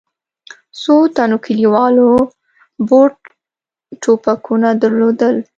څو تنو کلیوالو بور ټوپکونه درلودل.